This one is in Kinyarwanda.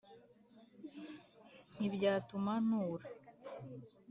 Ntibyatuma ntura